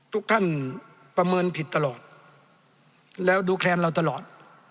ทุกท่านประเมินผิดตลอดแล้วดูแคลนเราตลอด